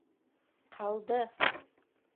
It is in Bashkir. Ҡалды!